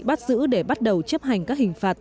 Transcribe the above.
bắt giữ để bắt đầu chấp hành các hình phạt